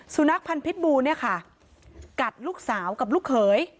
สุนัขพันธ์พิษบูเนี่ยค่ะกัดลูกสาวกับลูกเขย